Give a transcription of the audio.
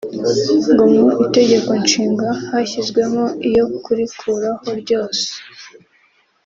ngo mu Itegeko Nshinga hashyizwemo iyo kurikuraho ryose